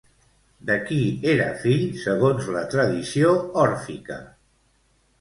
De qui era fill segons la tradició òrfica?